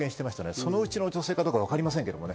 そのうちの女性かわかりませんけどね。